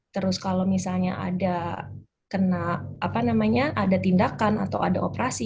terus kalau misalnya ada tindakan atau ada operasi